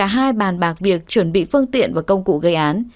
hai bàn bạc việc chuẩn bị phương tiện và công cụ gây án